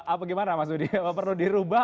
apa gimana mas budi apa perlu dirubah